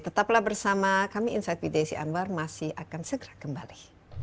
tetaplah bersama kami insight with desi anwar masih akan segera kembali